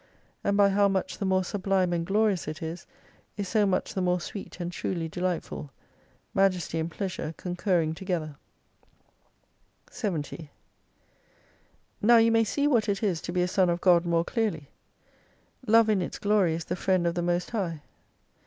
And by how much the more sublime and glorious it is, is so much the more sweet and truly delightful : Majesty and Pleasure concurring together, 290 70 Now you may see what it is to be a Son of God more clearly. Love in its glory is the friend of the most High.